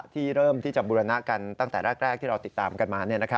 ที่เริ่มที่จะบูรณะกันตั้งแต่แรกที่เราติดตามกันมา